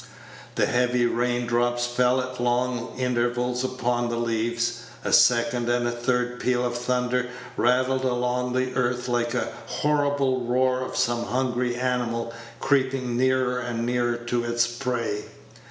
The heavy rain drops fell at long intervals upon the leaves. A second and a third peal of thunder rattled along the earth like the horrible roar of some hungry animal creeping nearer and nearer to its prey.